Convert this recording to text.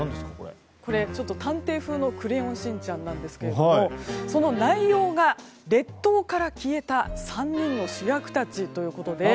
ちょっと探偵風のクレヨンしんちゃんですがその内容が「列島から消えた３人の主役たち」ということで。